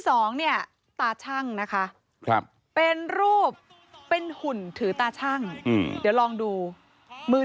สองเนี่ยตาชั่งนะคะครับเป็นรูปเป็นหุ่นถือตาชั่งเดี๋ยวลองดูมือ